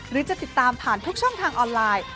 หรือจะติดตามผ่านทุกช่องทางออนไลน์